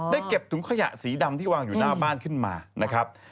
เก็บถุงขยะสีดำที่วางอยู่หน้าบ้านขึ้นมานะครับ